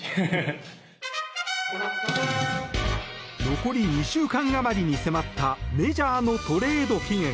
残り２週間あまりに迫ったメジャーのトレード期限。